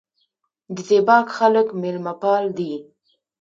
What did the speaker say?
د زیباک خلک میلمه پال دي